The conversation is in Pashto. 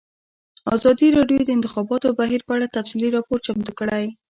ازادي راډیو د د انتخاباتو بهیر په اړه تفصیلي راپور چمتو کړی.